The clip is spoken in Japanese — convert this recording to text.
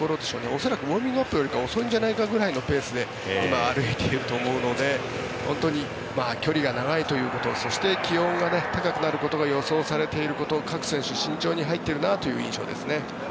恐らくウォーミングアップよりかは遅いんじゃないかぐらいのペースで今、歩いていると思うので本当に距離が長いということそして、気温が高くなることが予想されていることで各選手、慎重に入っているなという印象です。